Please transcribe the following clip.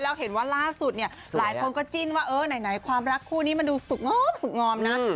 แล้วเห็นว่าล่าสุดเนี่ยหลายคนก็จิ้นว่าเออไหนความรักคู่นี้มันดูสุขงอมสุขงอมนะ